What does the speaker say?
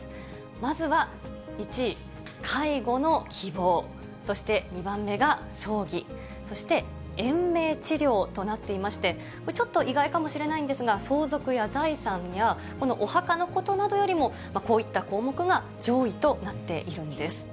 まずは１位、介護の希望、そして２番目が葬儀、そして延命治療となっていまして、ちょっと意外かもしれないんですが、相続や財産やこのお墓のことなどよりも、こういった項目が上位となっているんです。